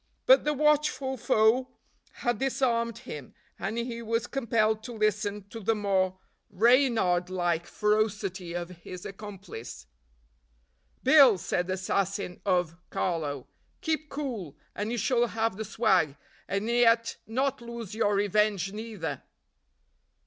But the watchful foe had disarmed him, and he was compelled to listen to the more reynard like ferocity of his accomplice. "Bill," said the assassin of Carlo, "keep cool, and you shall have the swag; and yet not lose your revenge neither."